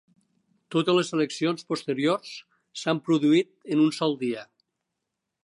Totes les eleccions posteriors s'han produït en un sol dia.